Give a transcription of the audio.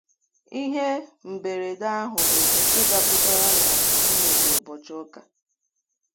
ihe mberede ahụ bụ nke dapụtara na mgbede ụbọchị ụka